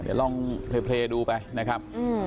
เดี๋ยวลองเพลย์ดูไปนะครับ